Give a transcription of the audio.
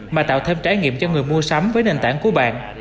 mà tạo thêm trải nghiệm cho người mua sắm với nền tảng của bạn